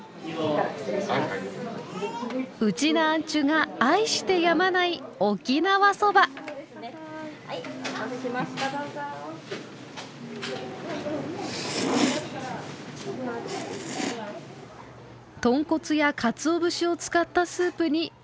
うちなーんちゅが愛してやまない豚骨やかつお節を使ったスープにもちもちの麺。